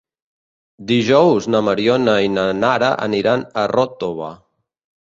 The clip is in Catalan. Dijous na Mariona i na Nara aniran a Ròtova.